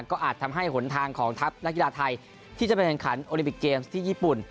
ก็อาจทำให้หนทางของทัพนักกีฬาไทยที่จะไปแข่งขันโอลิมปิกเกมส์ที่ญี่ปุ่น